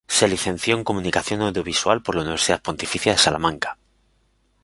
Se licenció en Comunicación Audiovisual por la Universidad Pontificia de Salamanca.